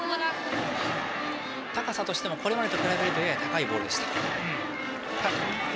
高さとしてもこれまでと比べるとやや高いボールでした。